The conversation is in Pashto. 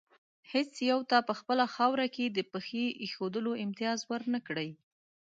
هېڅ یو ته په خپله خاوره کې د پښې ایښودلو امتیاز ور نه کړي.